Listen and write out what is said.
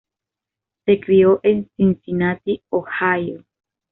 Se crio en Cincinnati, Ohio.